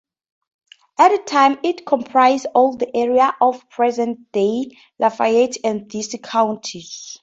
At the time it comprised all the area of present-day Lafayette and Dixie counties.